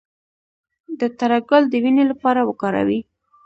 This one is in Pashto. د تره ګل د وینې لپاره وکاروئ